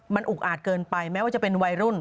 มันอุกอาจเกินไปแม้ว่าจะเป็นวัยรุ่น